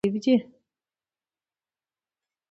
په افغانستان کې د نورستان لپاره طبیعي شرایط مناسب دي.